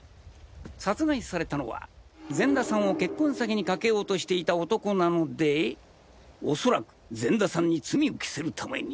殺害されたのは善田さんを結婚詐欺にかけようとしていた男なので恐らく善田さんに罪を着せる為に！